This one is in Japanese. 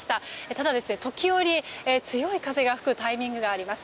ただ、時折強い風が吹くタイミングがあります。